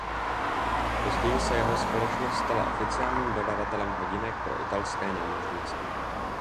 Později se jeho společnost stala oficiálním dodavatelem hodinek pro italské námořnictvo.